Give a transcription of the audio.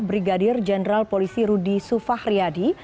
brigadir jenderal polisi rudy sufahriyadi